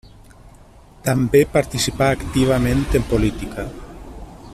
També participà activament en política.